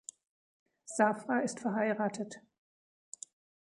Safra ist verheiratet.